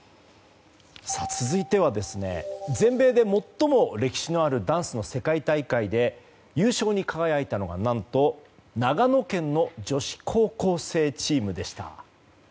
続いては全米で最も歴史のあるダンスの世界大会で優勝に輝いたのが何と、長野県の女子高校生チームでした。